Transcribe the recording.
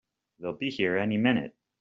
They'll be here any minute!